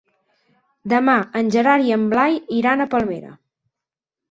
Demà en Gerard i en Blai iran a Palmera.